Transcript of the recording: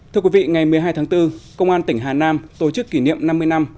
thưa quý vị ngày một mươi hai tháng bốn công an tỉnh hà nam tổ chức kỷ niệm năm mươi năm